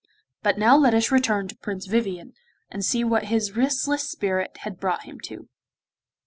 But now let us return to Prince Vivien, and see what his restless spirit has brought him to.